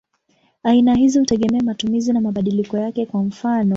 Aina hizi hutegemea matumizi na mabadiliko yake; kwa mfano.